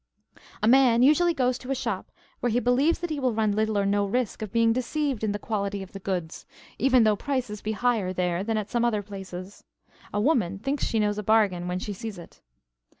A man usually goes to a shop where he believes that he will run little or no risk of being deceived in the quality of the goods, even though prices be higher there than at some other places. A woman thinks she knows a bargain when she sees it.